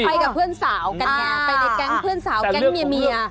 ไปกับเพื่อนสาวกันไงไปในแก๊งเพื่อนสาวแก๊งเมีย